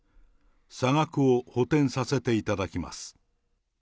差額を補てんさせていただきます。